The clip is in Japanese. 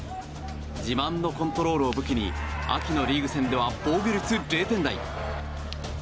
自慢のコントロールを武器に秋のリーグ戦では防御率０点台。